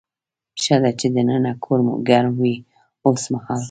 ښه ده چې دننه کور مو ګرم وي اوسمهال.